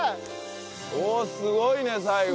おっすごいね最後！